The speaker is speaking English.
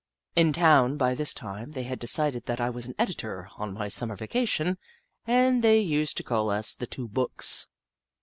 In town, by this time, they had decided that I was an editor on my Summer vacation, and they used to call us " The Two Bocks."